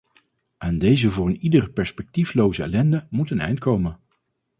Aan deze voor een ieder perspectiefloze ellende moet een eind komen.